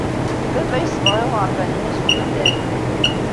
Baba yesbeɣ iɣerban-nni s umellal.